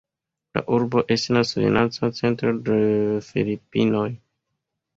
La urbo estas financa centro de Filipinoj.